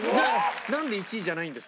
なんで１位じゃないんですか？